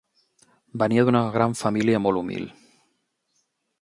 Venia d'una gran família molt humil.